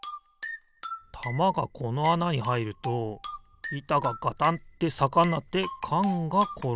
たまがこのあなにはいるといたがガタンってさかになってかんがころがる。